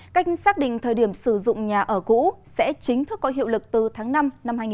cách xác định thời điểm sử dụng nhà ở cũ sẽ chính thức có hiệu lực từ tháng năm năm hai nghìn hai mươi